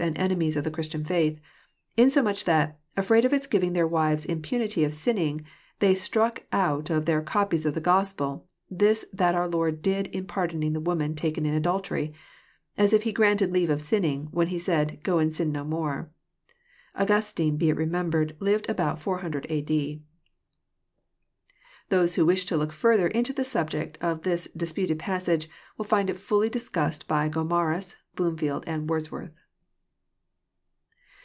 and enemies of the Christian fklth, insomuch that, afraid of its giving their wives impunity of sinning, they stmck out of their coi$ies of the Gospel this that onr lK)rd did in pardoning the woman taken in adultery; as if He granted leave of sinning, when he said, '*Go and sin no more. Augustine, be it re membered, lived about iOO a.d. Those who wish to look Airther into the subject of this dis puted passage will find it fhlly discussed by Gomarus, Bloom field, and Wordsworth.